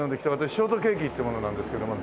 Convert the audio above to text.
ショートケーキっていう者なんですけども。